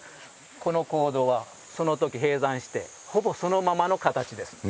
この坑道はそのとき閉山してほぼそのままの形です。